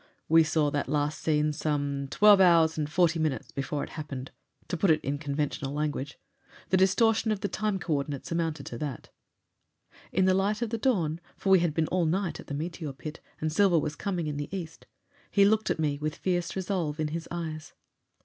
"We saw that last scene some twelve hours and forty minutes before it happened to put it in conventional language. The distortion of the time coordinates amounted to that." In the light of dawn for we had been all night at the meteor pit, and silver was coming in the east he looked at me with fierce resolve in his eyes.